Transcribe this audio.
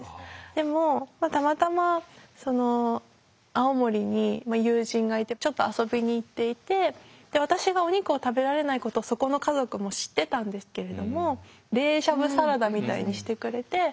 でもたまたま青森に友人がいてちょっと遊びに行っていて私がお肉を食べられないことそこの家族も知ってたんですけれども冷しゃぶサラダみたいにしてくれて。